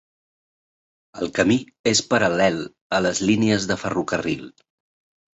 El camí és paral·lel a les línies de ferrocarril.